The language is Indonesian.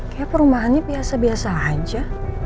kayak perumahannya biasa biasa aja